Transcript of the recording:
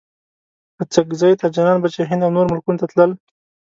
اڅګزي تاجران به چې هند او نورو ملکونو ته تلل.